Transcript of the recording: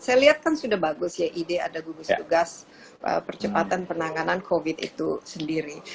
saya lihat kan sudah bagus ya ide ada gugus tugas percepatan penanganan covid itu sendiri